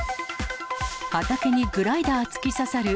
畑にグライダー突き刺さる。